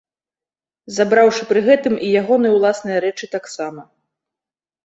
Забраўшы пры гэтым і ягоныя ўласныя рэчы таксама.